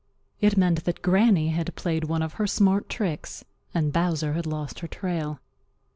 It meant that Granny had played one of her smart tricks and Bowser had lost her trail.